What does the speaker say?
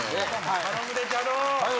頼むでチャド！